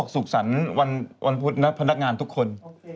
สุขสรรค์วันพุธนะพนักงานทุกคน